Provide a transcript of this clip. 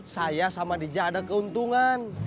saya sama dija ada keuntungan